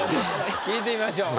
聞いてみましょう。